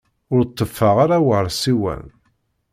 Ur tteffeɣ ara war ssiwan.